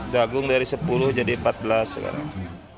jagung dari sepuluh jadi empat belas sekarang